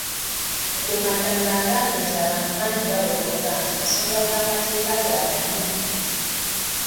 Mukuumaddamula agambye nti abantu bangi balowooza nti ensonga z’amateeka za bayivu